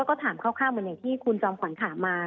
ก็ถามคร่าวเหมือนที่คุณจอมขวัญถามมา